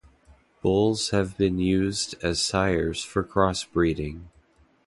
Bulls have been used as sires for crossbreeding.